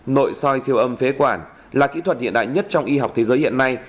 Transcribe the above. nội soi siêu âm phế quản là kỹ thuật hiện đại nhất trong y học thế giới hiện nay